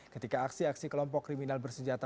ketika aksi aksi kelompok kriminal bersenjata